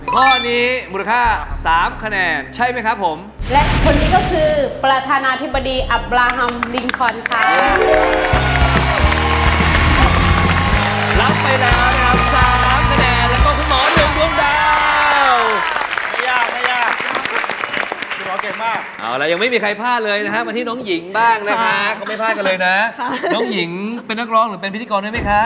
ก็ไม่พลาดกันเลยนะน้องหญิงเป็นนักร้องหรือเป็นพิธีกรด้วยไหมคะ